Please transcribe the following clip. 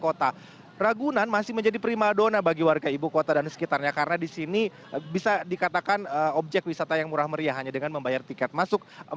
kota ragunan masih menjadi prima dona bagi warga ibu kota dan sekitarnya karena di sini bisa dikatakan objek wisata yang murah meriah hanya dengan membayar tiket masuk